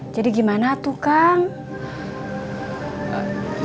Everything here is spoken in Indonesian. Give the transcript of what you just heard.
jadi gimana tuh kangen